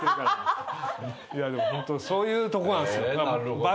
でもホントそういうとこなんですよ。